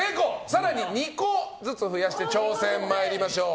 更に２個ずつ増やして挑戦参りましょう。